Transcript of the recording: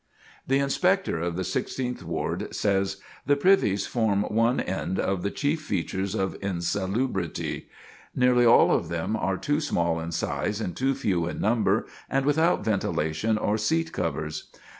The Inspector of the Sixteenth Ward says: "The privies form one end of the chief features of insalubrity. Nearly all of them are too small in size and too few in number, and without ventilation or seat covers.